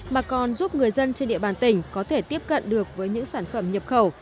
mà còn giúp người dân trên địa bàn tỉnh có thể tiếp cận được với những sản phẩm nhập khẩu